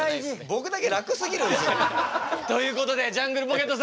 僕だけ楽すぎるんですよ。ということでジャングルポケットさん